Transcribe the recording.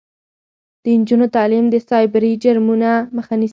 د نجونو تعلیم د سایبري جرمونو مخه نیسي.